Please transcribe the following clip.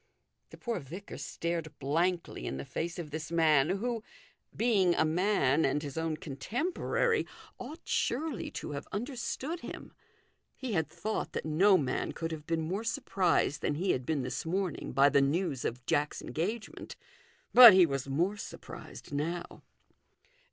The poor vicar stared blankly in the face of this man, who, being a man and his own con temporary, ought surely to have understood 300 THE GOLDEN RULE. him. He had thought that no man could have heen more surprised than he had been this morning by the news of Jack's engagement. But he was more surprised now.